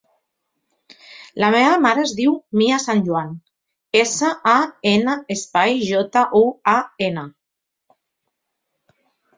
La meva mare es diu Mia San Juan: essa, a, ena, espai, jota, u, a, ena.